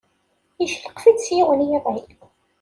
Yeccelqef-itt s yiwen n yiɣil.